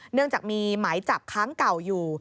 เนื่องจากมีหมายจับค้างเก่าอยู่